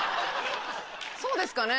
そうですかね？